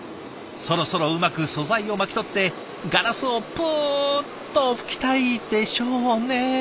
そろそろうまく素材を巻き取ってガラスをぷっと吹きたいでしょうね。